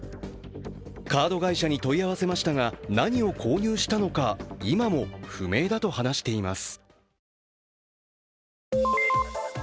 カード会社に問い合わせましたが何を購入したのか今も不明だと話しています。